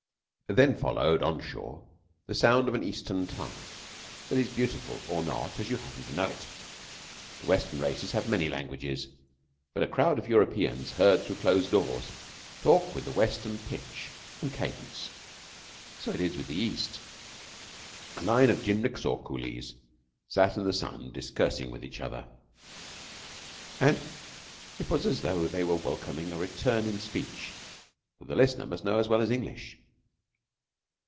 Then followed on shore the sound of an Eastern tongue, that is beautiful or not as you happen to know it. The Western races have many languages, but a crowd of Europeans heard through closed doors talk with the Western pitch and cadence. So it is with the East. A line of jinrickshaw coolies sat in the sun discoursing to each other, and it was as though they were welcoming a return in speech that the listener must know as well as English.